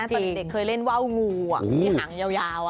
ตอนเด็กเคยเล่นว่าวงูที่หางยาว